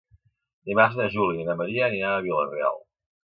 Dimarts na Júlia i na Maria aniran a Vila-real.